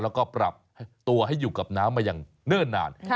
แล้วก็ปรับตัวให้อยู่กับน้ำมาอย่างเนิ่นนาน